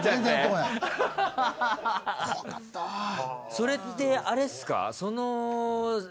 それってあれですか？